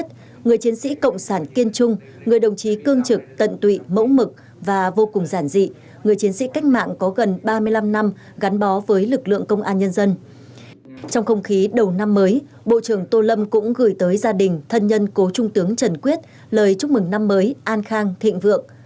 trong không khí đầu năm mới bộ trưởng tô lâm cũng gửi tới gia đình thân nhân cố trung tướng trần quyết lời chúc mừng năm mới an khang thịnh vượng